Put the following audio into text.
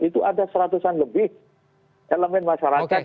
itu ada seratusan lebih elemen masyarakat